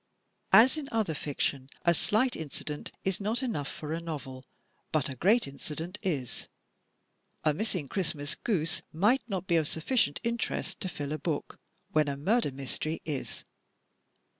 As in other fiction, a slight incident is not enough for a novel, but a great incident is. A missing Christmas goose might not be of sufficient interest to fill a book, when a murder mystery is.